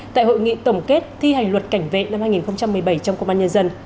tại hội nghị tổng kết thi hành luật cảnh vệ năm hai nghìn một mươi bảy trong công an nhân dân